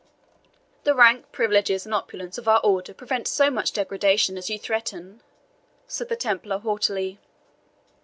"The rank, privileges, and opulence of our Order prevent so much degradation as you threaten," said the Templar haughtily.